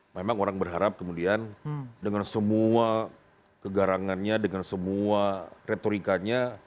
memang orang berharap kemudian dengan semua kegarangannya dengan semua retorikanya